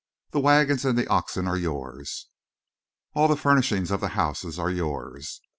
The wagons and the oxen are yours. All the furnishing of the houses are yours.